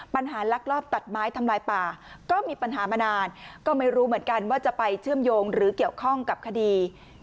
ลักลอบตัดไม้ทำลายป่าก็มีปัญหามานานก็ไม่รู้เหมือนกันว่าจะไปเชื่อมโยงหรือเกี่ยวข้องกับคดี